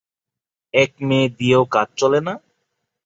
এক মেয়ে দিয়েও কাজ চলে না।